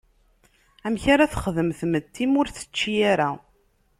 Amek ara texdem tmetti ma ur tečči ara?